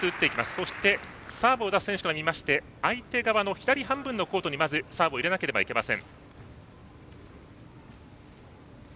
そしてサーブを出す選手から見て相手側の左半分のコートにサーブを入れなければなりません。